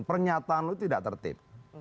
pernyataan lo tidak tertib